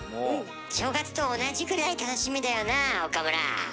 正月と同じくらい楽しみだよなあ岡村。